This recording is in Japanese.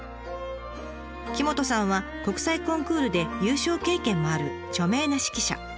木許さんは国際コンクールで優勝経験もある著名な指揮者。